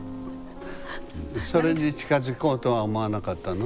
それに近づこうとは思わなかったの？